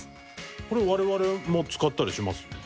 これ、我々も使ったりします？